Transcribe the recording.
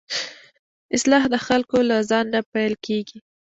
اصلاح د خلکو له ځان نه پيل کېږي.